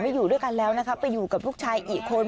อยู่ด้วยกันแล้วนะคะไปอยู่กับลูกชายอีกคน